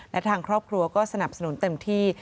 และทางครอบครัวก็สนับสนุนเต็มที่